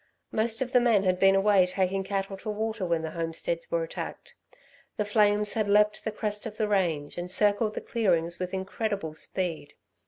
Most of the men had been away taking cattle to water when the homesteads were attacked. The flames had leapt the crest of the range and circled the clearings with incredible speed.